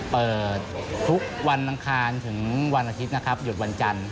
เปิดทุกวันอังคารถึงวันอาทิตย์นะครับหยุดวันจันทร์